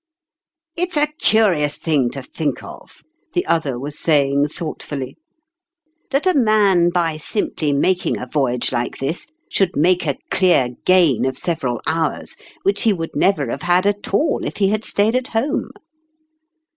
"It's a curious thing to think of," the other was saying thoughtfully, " that a man by simply making a voyage like this, should 20 Sottrmalin's ime make a clear gain of several hours which he would never have had at all if he had stayed at home